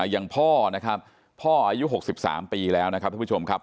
อย่างพ่อนะครับพ่ออายุ๖๓ปีแล้วนะครับท่านผู้ชมครับ